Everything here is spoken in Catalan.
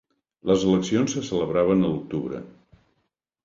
Les eleccions se celebraven a l'octubre.